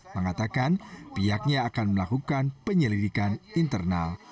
mengatakan pihaknya akan melakukan penyelidikan internal